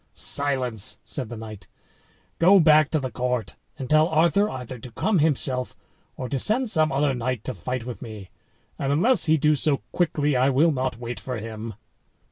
"Silence!" said the knight; "go back to the court, and tell Arthur either to come himself, or to send some other to fight with me; and unless he do so quickly, I will not wait for him."